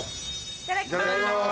いただきます。